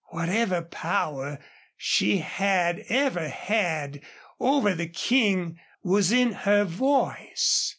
Whatever power she had ever had over the King was in her voice.